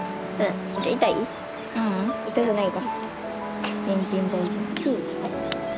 痛くないが。